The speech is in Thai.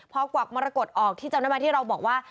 พอกวักมรกฏออกที่จำได้ไหมที่เราบอกว่า